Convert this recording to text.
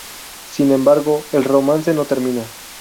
Sin embargo, el romance no termina.